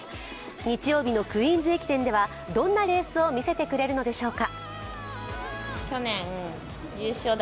日曜日のクイーンズ駅伝ではどんなレースを見せてくれるのでしょうか。